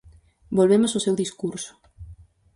Volvemos ao seu discurso.